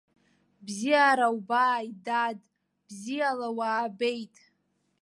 Бзиара убааит, дад, бзиала уаабеит!